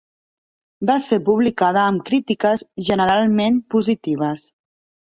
Va ser publicada amb crítiques generalment positives.